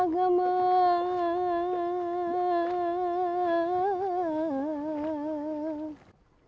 bagang siapa tidak memegang agama